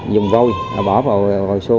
dùng vôi bỏ vào vòi xô